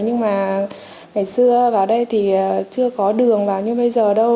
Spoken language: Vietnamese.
nhưng mà ngày xưa vào đây thì chưa có đường vào như bây giờ đâu